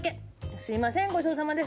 すいません、ごちそうさまです。